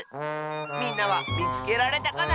みんなはみつけられたかな？